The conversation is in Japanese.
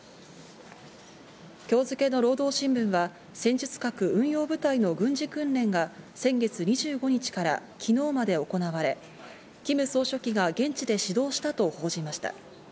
今日付の労働新聞が戦術核運用部隊の軍事訓練が先月２５日から昨日まで行われ、キム総書記が現地で指導したと報じました。